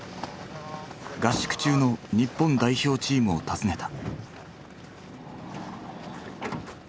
合宿中の日本代表チームを訪ねた。